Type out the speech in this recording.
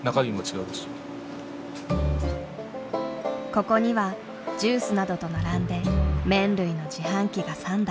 ここにはジュースなどと並んで麺類の自販機が３台。